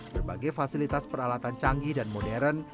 berbagai fasilitas peralatan canggih dan modern